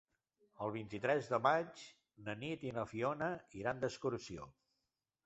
El vint-i-tres de maig na Nit i na Fiona iran d'excursió.